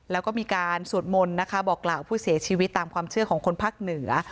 แล้วก็มีการสวดมนต์นะคะบอกกล่าวผู้เสียชีวิตตามความเชื่อของคนภาคเหนือ